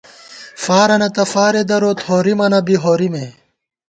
فارَنہ تہ فارے دروت ، ہورِمَنہ بی ہورِمے